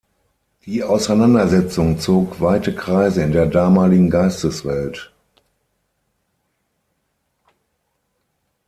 Die Auseinandersetzung zog weite Kreise in der damaligen Geisteswelt.